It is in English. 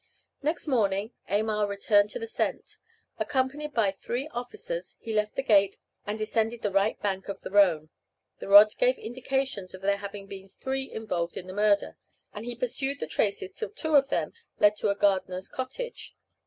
Next morning Aymar returned to the scent. Accompanied by three officers, he left the gate, and descended the right bank of the Rhone. The rod gave indications of there having been three involved in the murder, and he pursued the traces till two of them led to a gardener's cottage.